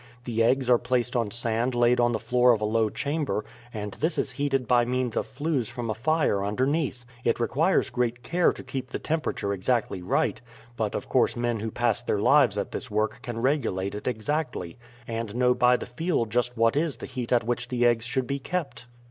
The eggs are placed on sand laid on the floor of a low chamber, and this is heated by means of flues from a fire underneath. It requires great care to keep the temperature exactly right; but of course men who pass their lives at this work can regulate it exactly, and know by the feel just what is the heat at which the eggs should be kept.